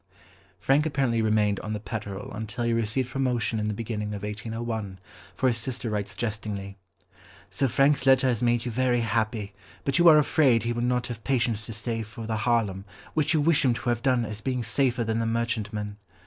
Frank apparently remained on the Petterel until he received promotion in the beginning of 1801, for his sister writes jestingly: "So Frank's letter has made you very happy, but you are afraid he would not have patience to stay for the Haarlem, which you wish him to have done as being safer than the merchantman.